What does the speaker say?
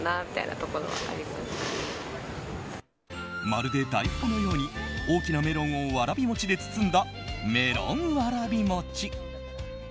まるで大福のように大きなメロンをわらび餅で包んだメロンわらび餅。